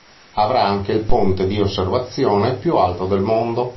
Avrà anche il ponte di osservazione più alto del mondo.